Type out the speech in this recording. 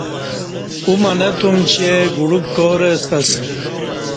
ا وں منہ تم چہ گڈوک کار ہ ستہ اسہ کہ